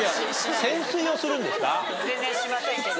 全然しませんけど。